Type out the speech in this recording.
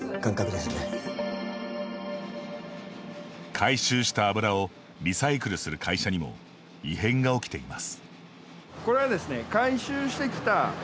回収した油をリサイクルする会社にも異変が起きています。